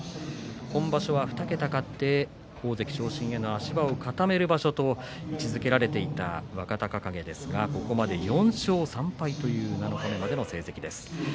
今場所は２桁勝って大関昇進への足場を固める場所と位置づけられていた若隆景ですがここまで４勝３敗という七日目までの成績です。